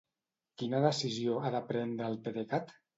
Quina decisió ha de prendre el PDECat?